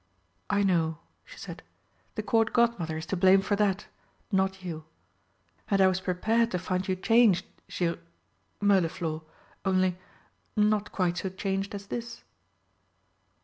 "I know," she said; "the Court Godmother is to blame for that not you. And I was prepared to find you changed, Gir Mirliflor only not quite so changed as this."